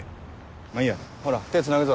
まぁいいやほら手つなぐぞ。